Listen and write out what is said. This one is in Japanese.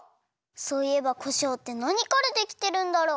そういえばこしょうってなにからできてるんだろう？